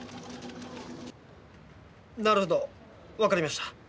なるほどわかりました。